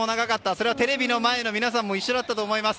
それはテレビの前の皆さんも一緒だったと思います。